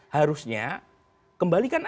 harusnya kembalikan aja